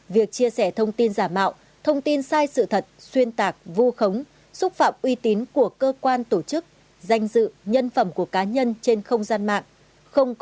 việc chia sẻ thông tin giả mạo thông tin sai sự thật xuyên tạc vu khống xúc phạm uy tín của cơ quan tổ chức danh dự nhân phẩm của cá nhân trên không gian mạng